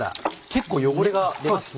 結構汚れが出ますね。